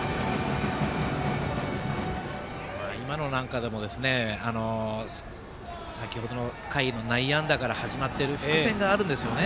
今のなんかでも先程の回の内野安打から始まっている伏線があるんですよね。